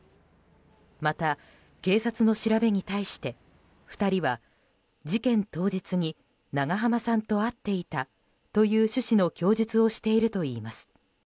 また、警察の調べに対して２人は事件当日に長濱さんと会っていたという趣旨の供述をしているといいます。